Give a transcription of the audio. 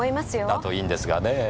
だといいんですがねぇ。